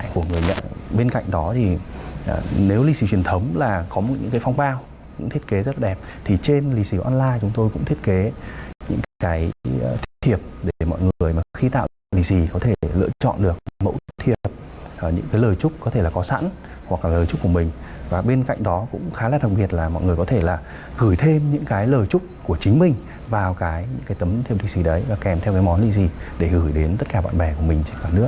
và bên cạnh đó cũng khá là đồng nghiệp là mọi người có thể là gửi thêm những cái lời chúc của chính mình vào cái tấm thêm lì xì đấy và kèm theo cái món lì xì để gửi đến tất cả bạn bè của mình trên cả nước